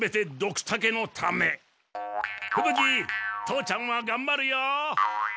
父ちゃんはがんばるよ！